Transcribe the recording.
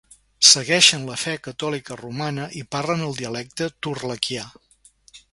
Segueixen la fe catòlica romana i parlen el dialecte torlakià.